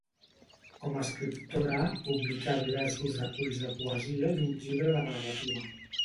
Com a escriptora, publicà diversos reculls de poesia i un llibre de narrativa.